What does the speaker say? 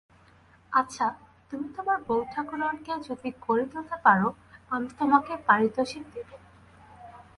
আচ্ছা, তুমি তোমার বউঠাকরুনকে যদি গড়ে তুলতে পার আমি তোমাকে পারিতোষিক দেব।